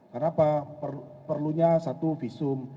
kenapa perlunya satu visum